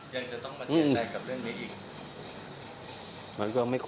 ยังจะต้องประเทศใดกับเรื่องนี้อีก